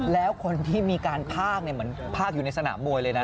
แล้วคนที่มีการพากเหมือนภาคอยู่ในสนามมวยเลยนะ